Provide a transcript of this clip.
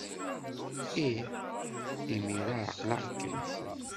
Ih, imir-a ɛeqleɣ-kem!